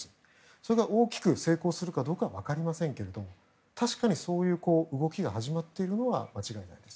それが大きく成功するかどうかは分かりませんけど確かにそういう動きが始まっているのは間違いないです。